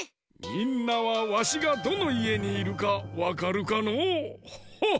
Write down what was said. みんなはわしがどのいえにいるかわかるかのう？